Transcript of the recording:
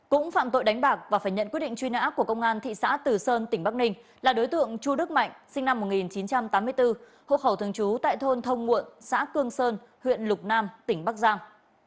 cũng phạm tội đánh bạc và phải nhận quyết định truy nã của công an thị xã từ sơn tỉnh bắc ninh là đối tượng chu đức mạnh sinh năm một nghìn chín trăm tám mươi bốn hộ khẩu thường trú tại thôn thông muộn xã cương sơn huyện lục nam tỉnh bắc giang